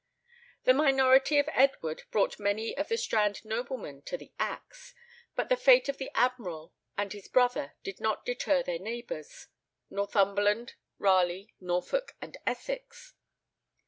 The minority of Edward brought many of the Strand noblemen to the axe, but the fate of the admiral and his brother did not deter their neighbours Northumberland, Raleigh, Norfolk, and Essex.